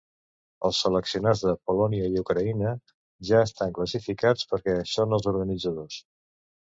Els seleccionats de Polònia i Ucraïna ja estan classificats perquè són els organitzadors.